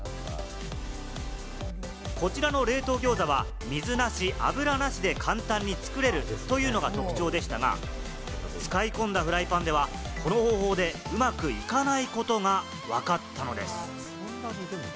こちらの冷凍餃子は水なし、油なしで簡単に作れるというのが特徴でしたが、使い込んだフライパンでは、この方法でうまくいかないことがわかったのです。